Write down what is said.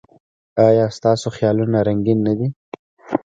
ایا ستاسو خیالونه رنګین نه دي؟